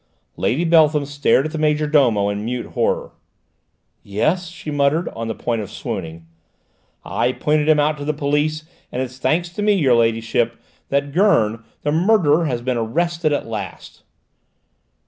Lady Beltham stared at the major domo in mute horror. "Yes?" she muttered, on the point of swooning. "I pointed him out to the police, and it's thanks to me, your ladyship, that Gurn, the murderer, has been arrested at last!"